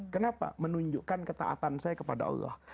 kenapa menunjukkan ketaatan saya kepada allah